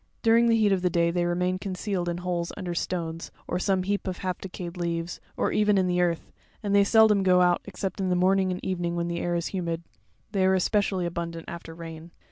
During the heat of the day they remain con cealed in holes under stones, or some heap of half decayed leaves, or even in the earth, and they seldom go out except in the morning and evening, when the air is humid; they are especially abundant after rain.